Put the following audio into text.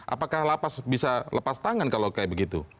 apakah lapas bisa lepas tangan kalau kayak begitu